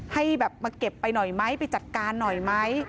ให้แบบมาเก็บไปหน่อยไหมไปจัดการหน่อยไหม